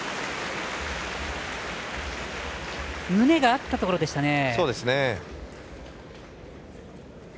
胸が合ったところでしたね。